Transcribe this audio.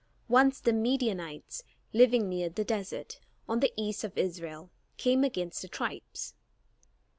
Once the Midianites, living near the desert on the east of Israel, came against the tribes.